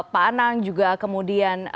pak anang juga kemudian